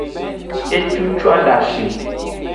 Ecucu adashi.